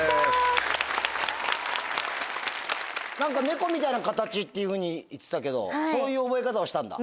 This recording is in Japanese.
ねこみたいな形っていうふうに言ってたけどそういう覚え方をしたんだ？